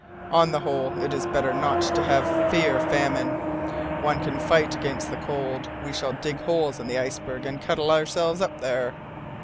On the whole, it is better not to have to fear famine! One can fight against the cold. We shall dig holes in the iceberg, and cuddle ourselves up there.